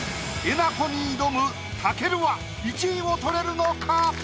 なこに挑む武尊は１位を取れるのか？